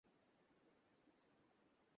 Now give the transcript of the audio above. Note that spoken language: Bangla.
তাঁহার শিক্ষা সৎ হও, সৎ কাজ কর।